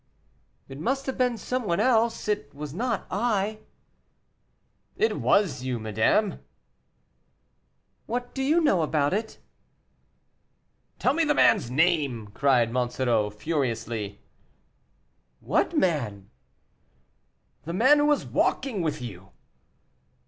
"It must have been some one else, it was not I." "It was you, madame." "What do you know about it?" "Tell me the man's name!" cried Monsoreau, furiously. "What man?" "The man who was walking with you."